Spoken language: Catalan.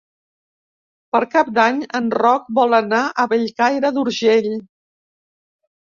Per Cap d'Any en Roc vol anar a Bellcaire d'Urgell.